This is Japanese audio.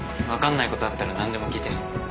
分かんないことあったら何でも聞いて。